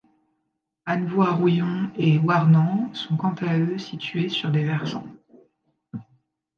Annevoie-Rouillon et Warnant sont quant à eux situés sur des versants.